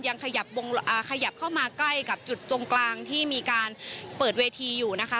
ขยับเข้ามาใกล้กับจุดตรงกลางที่มีการเปิดเวทีอยู่นะคะ